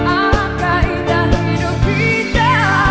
awanku indah hidup kita